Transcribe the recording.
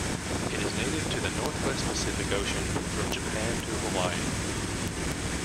It is native to the northwest Pacific Ocean, from Japan to Hawaii.